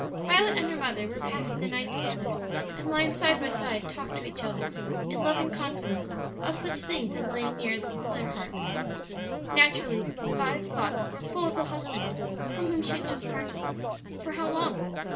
Violet and her mother were passing the night together, and lying side by side talked to each other in loving confidence of such things as lay nearest their hearts. Naturally Vi's thoughts were full of the husband from whom she had just parted for how long?